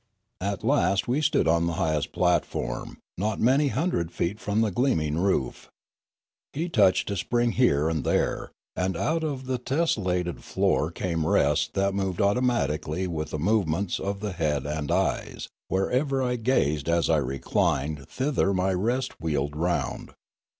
At last we stood on the highest platform, not many hundred feet from the gleaming roof. He touched a spring here and there, and out of the tessellated floor came rests that moved automatically with the move ments of the head and eyes; wherever I gazed as I reclined thither my rest wheeled round.